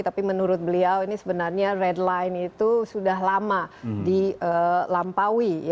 tapi menurut beliau ini sebenarnya red line itu sudah lama dilampaui